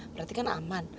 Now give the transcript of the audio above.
berarti kan aman